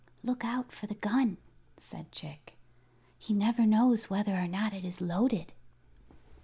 "Look out for the gun," said Chick; "he never knows whether or not it is loaded."